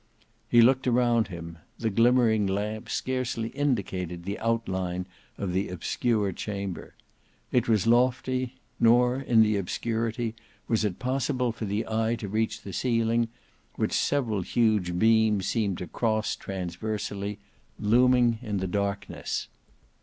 He looked around him: the glimmering lamp scarcely indicated the outline of the obscure chamber. It was lofty, nor in the obscurity was it possible for the eye to reach the ceiling, which several huge beams seemed to cross transversally, looming in the darkness.